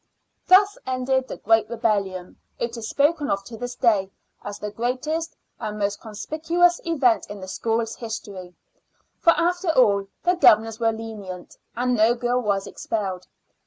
Thus ended the great rebellion. It is spoken of to this day as the greatest and most conspicuous event in the school's history. For, after all, the governors were lenient, and no girl was expelled.